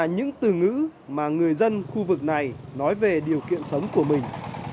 những từ ngữ mà người dân khu vực này nói về điều kiện sống của mình